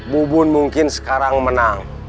bubun mungkin sekarang menang